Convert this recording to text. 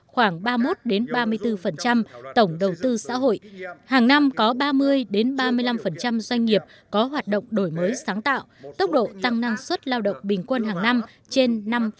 khoảng ba mươi một ba mươi bốn tổng đầu tư xã hội hàng năm có ba mươi ba mươi năm doanh nghiệp có hoạt động đổi mới sáng tạo tốc độ tăng năng suất lao động bình quân hàng năm trên năm mươi